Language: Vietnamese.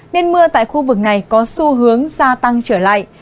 nên mưa tại khu vực này có xu hướng gia tăng trở lại